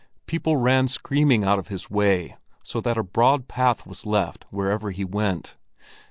People ran screaming out of his way, so that a broad path was left wherever he went.